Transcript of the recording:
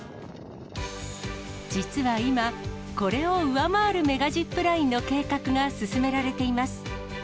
実は今、これを上回るメガジップラインの計画が進められています。